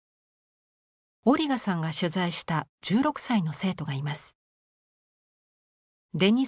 オリガさんが取材した１６歳の生徒がいます。